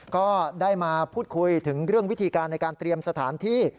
ก็ได้มาพูดคุยถึงเรื่องวิธีการในการเตรียมสถานที่